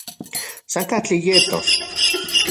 San katli yetos